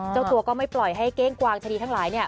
เจ้าตัวก็ไม่ปล่อยให้เก้งกวางคดีทั้งหลายเนี่ย